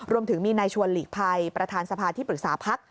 รวมถึงมีนายชวนหลีกภัยประธานสภาที่ปรึกษาพัก